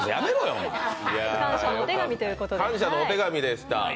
感謝のお手紙でした。